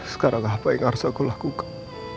sekarang apa yang harus aku lakukan